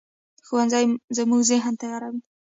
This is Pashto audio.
ښوونځی زموږ ذهن تیاروي